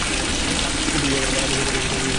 কিন্তু ইহাদ্বারা আদৌ জগতের ব্যাখ্যা হইল না।